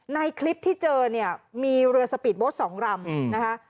ในคลิปที่เจอเนี่ยมีเรือสปีดโบสต์๒ลำนะคะ